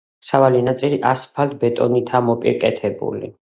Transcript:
სავალი ნაწილი ასფალტ-ბეტონითაა მოპირკეთებული.